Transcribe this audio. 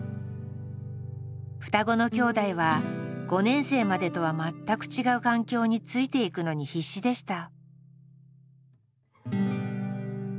双子の兄弟は５年生までとは全く違う環境についていくのに必死でした。